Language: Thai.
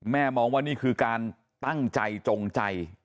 มองว่านี่คือการตั้งใจจงใจ